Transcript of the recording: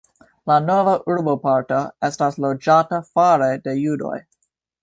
La nova urboparto estas loĝata fare de judoj.